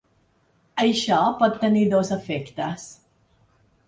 Això pot tenir dos efectes.